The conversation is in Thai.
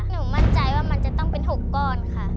หนูมั่นใจว่ามันจะต้องเป็น๖ก้อนค่ะ